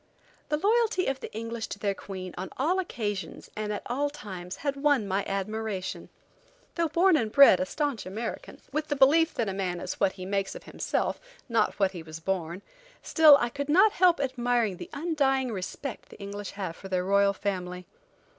The loyalty of the English to their Queen on all occasions, and at all times, had won my admiration. Though born and bred a staunch American, with the belief that a man is what he makes of himself, not what he was born, still I could not help admiring the undying respect the English have for their royal family.